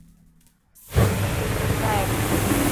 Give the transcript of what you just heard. وڪي ڪجهه لڪائي پيو.